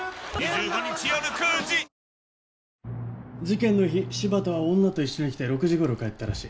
事件の日柴田は女と一緒に来て６時ごろ帰ったらしい。